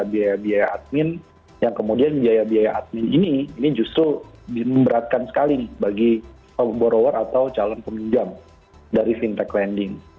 biaya biaya admin yang kemudian biaya biaya admin ini ini justru memberatkan sekali bagi borower atau calon peminjam dari fintech lending